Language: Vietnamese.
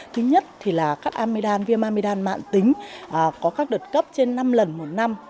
thứ nhất thì là cắt amidam viêm amidam mạng tính có các đợt cấp trên năm lần một năm